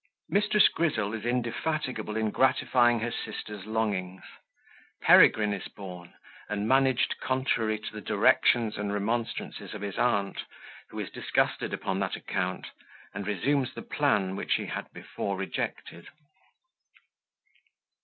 Mrs. Grizzle is indefatigable in gratifying her Sister's Longings Peregrine is born, and managed contrary to the Directions and Remonstrances of his Aunt, who is disgusted upon that account, and resumes the Plan which she had before rejected.